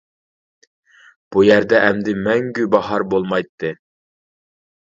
بۇ يەردە ئەمدى مەڭگۈ باھار بولمايتتى.